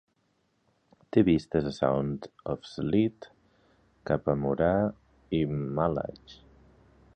Té vistes a Sound of Sleat, cap a Morar i Mallaig.